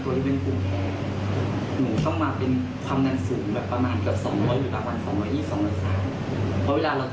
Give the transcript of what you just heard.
ก็ต้องการคำนั้นช่วยมากกว่าทุกครั้ง